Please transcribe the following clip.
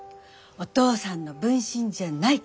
お父さんの分身じゃない！」